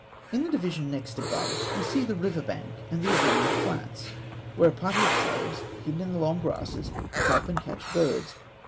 In the division next above, we see the river bank and the adjoining flats, where a party of slaves, hidden in the long grasses, trap and catch birds.